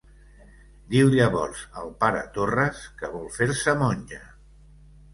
Diu llavors al pare Torres que vol fer-se monja.